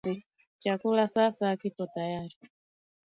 Chakula sasa kipo tayari